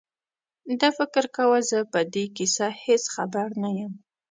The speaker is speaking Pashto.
ده فکر کاوه زه په دې کیسه هېڅ خبر نه یم.